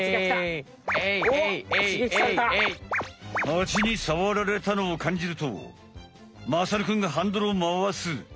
ハチにさわられたのをかんじるとまさるくんがハンドルをまわす。